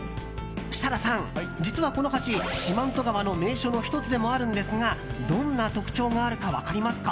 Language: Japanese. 設楽さん、実はこの橋四万十川の名所の１つでもあるんですがどんな特徴があるか分かりますか？